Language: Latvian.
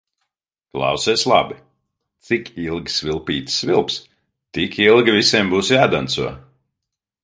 Klausies labi: cik ilgi svilpīte svilps, tik ilgi visiem būs jādanco.